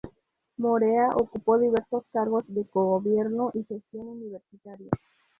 Morea ocupó diversos cargos de cogobierno y gestión universitaria.